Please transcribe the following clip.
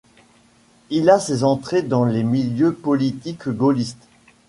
Il a ses entrées dans les milieux politiques gaullistes.